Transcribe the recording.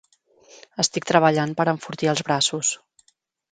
Estic treballant per enfortir els braços.